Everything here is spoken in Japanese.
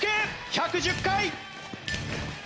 １１０回。